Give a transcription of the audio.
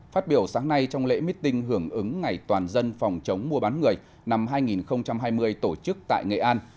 phát biểu sáng nay trong lễ meeting hưởng ứng ngày toàn dân phòng chống mua bán người năm hai nghìn hai mươi tổ chức tại nghệ an